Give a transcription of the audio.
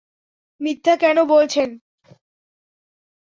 মিথ্যা কেন বলছেন!